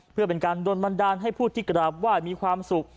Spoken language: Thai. เพื่อเป็นการโดนบันดาลให้ผู้ที่กราบไหว้มีความสุข